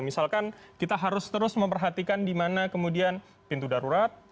misalkan kita harus terus memperhatikan di mana kemudian pintu darurat